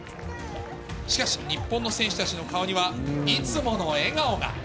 しかし日本の選手たちの顔には、いつもの笑顔が。